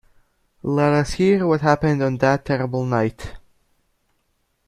Let us hear what happened on that terrible night.